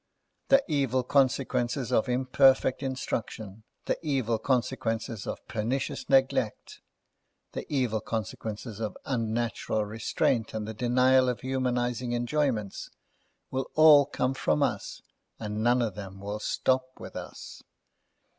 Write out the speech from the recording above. The evil consequences of imperfect instruction, the evil consequences of pernicious neglect, the evil consequences of unnatural restraint and the denial of humanising enjoyments, will all come from us, and none of them will stop with us.